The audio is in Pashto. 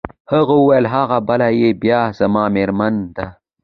هغه وویل: هغه بله يې بیا زما مېرمن ده.